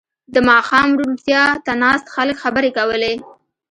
• د ماښام روڼتیا ته ناست خلک خبرې کولې.